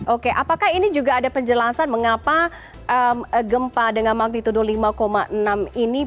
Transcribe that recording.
oke apakah ini juga ada penjelasan mengapa gempa dengan magnitudo lima enam ini